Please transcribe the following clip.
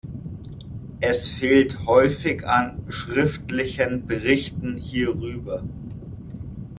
Es fehlt häufig an schriftlichen Berichten hierüber.